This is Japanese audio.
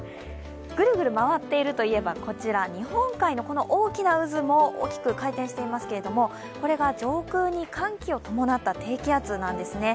グルグル回っているといえばこちら、日本海の大きな渦も大きく回転していますけれどもこれが上空に寒気を伴った低気圧なんですね。